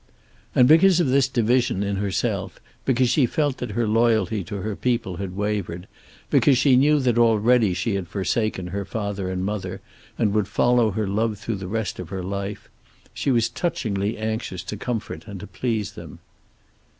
And because of this division in herself, because she felt that her loyalty to her people had wavered, because she knew that already she had forsaken her father and her mother and would follow her love through the rest of her life, she was touchingly anxious to comfort and to please them.